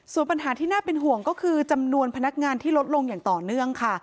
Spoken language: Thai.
ส่วนปัญหาที่น่าเป็นห่วงก็คือจำนวนพนักงานที่ลดลงอย่างต่อเนื่องค่ะ